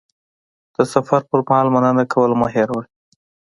د سفر پر مهال مننه کول مه هېروه.